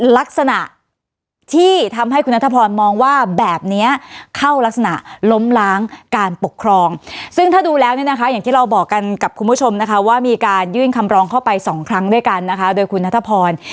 ล้มล้างการปกครองซึ่งถ้าดูแล้วเนี่ยนะคะอย่างที่เราบอกกันกับคุณผู้ชมนะคะว่ามีการยื่นคำร้องเข้าไปสองครั้งด้วยกันนะคะโดยคุณนัทพร